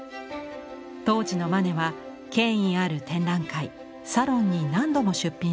当時のマネは権威ある展覧会サロンに何度も出品します。